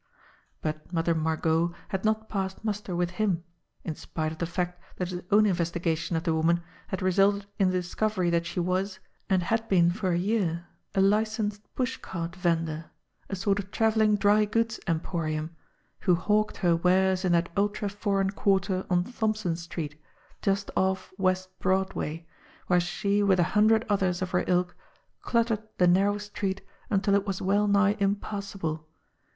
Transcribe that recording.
But Mother Margot had not passed muster with him, in spite of the fact that his own investigation of the woman had resulted in the discovery that she was, and had been for a year, a li censed pushcart vendor, a sort of travelling dry goods em porium, who hawked her wares in that ultra foreign quar ter on Thompson Street, just of! West Broadway, where she with a hundred others of her ilk cluttered the narrow street until it was well nigh impassable.